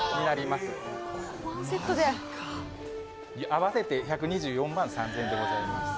合わせて１２４万３０００円となります。